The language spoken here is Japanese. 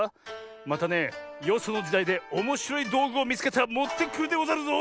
またねよそのじだいでおもしろいどうぐをみつけたらもってくるでござるぞ！